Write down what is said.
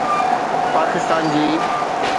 اڳوڻي پاڪستان جي